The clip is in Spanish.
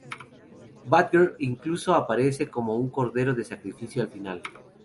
Batgirl incluso aparece como un cordero de sacrificio al final.